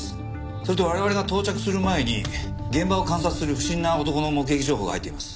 それと我々が到着する前に現場を観察する不審な男の目撃情報が入っています。